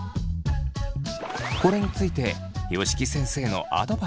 これについて吉木先生のアドバイスは。